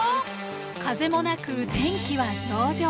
風もなく天気は上々。